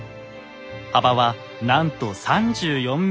幅はなんと３４ｍ。